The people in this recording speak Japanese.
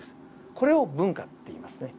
これを分化っていいますね。